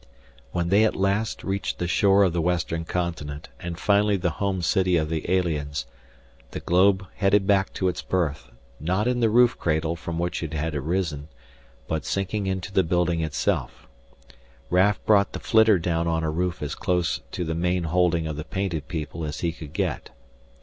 When they at last reached the shore of the western continent and finally the home city of the aliens, the globe headed back to its berth, not in the roof cradle from which it had arisen, but sinking into the building itself. Raf brought the flitter down on a roof as close to the main holding of the painted people as he could get.